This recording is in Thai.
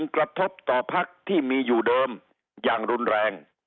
กระทบต่อพักที่มีอยู่เดิมอย่างรุนแรง